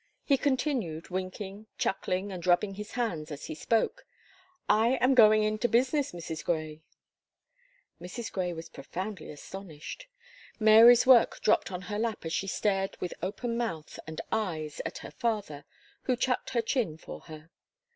He continued winking, chuckling, and rubbing his hands as he spoke. "I am going into business, Mrs. Gray." Mrs. Gray was profoundly astonished; Mary's work dropped on her lap as she stared with open mouth and eyes at her father, who chucked her chin for her.